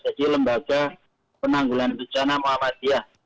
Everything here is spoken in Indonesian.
jadi lembaga penanggulan bencana muhammadiyah